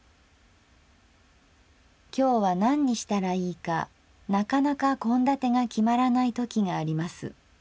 「今日は何にしたらいいかなかなか献立が決まらないときがあります。